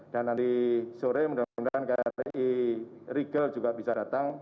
dan nanti sore mudah mudahan kri regal juga bisa datang